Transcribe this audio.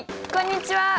こんにちは！